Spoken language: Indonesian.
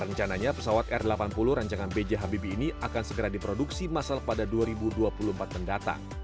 rencananya pesawat r delapan puluh rancangan b j habibie ini akan segera diproduksi masal pada dua ribu dua puluh empat mendatang